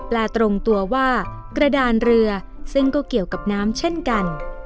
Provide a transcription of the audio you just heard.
และตรงตัวว่ากระดานเรือซึ่งก็เกี่ยวกับน้ำเช่นกัน